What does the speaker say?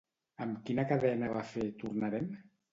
Amb quina cadena va fer "Tornarem"?